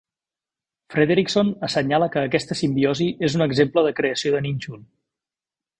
Frederickson assenyala que aquesta simbiosi és un exemple de creació de nínxol.